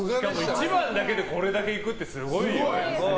１番だけでこれだけいくってすごいですよね。